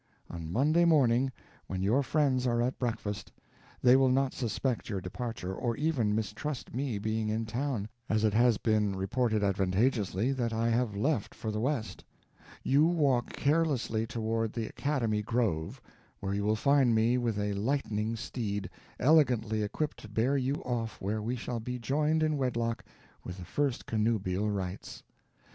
On Monday morning, when your friends are at breakfast, they will not suspect your departure, or even mistrust me being in town, as it has been reported advantageously that I have left for the west. You walk carelessly toward the academy grove, where you will find me with a lightning steed, elegantly equipped to bear you off where we shall be joined in wedlock with the first connubial rights.